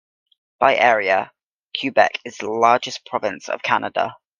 By area, Quebec is the largest province of Canada.